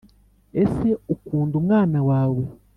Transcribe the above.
ese ukunda umwana wawe?